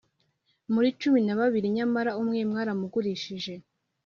muri cumi na babiri Nyamara umwe mwaramugurishije